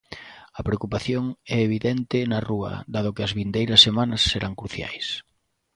A preocupación é evidente na rúa dado que as vindeiras semanas serán cruciais.